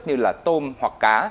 như là tôm hoặc cá